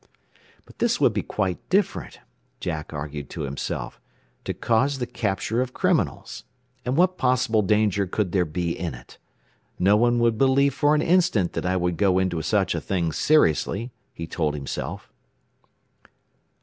But this would be quite different, Jack argued to himself to cause the capture of criminals. And what possible danger could there be in it? No one would believe for an instant that I would go into such a thing seriously, he told himself.